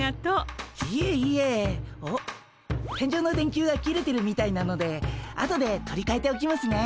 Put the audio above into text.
天井の電球が切れてるみたいなので後で取りかえておきますね。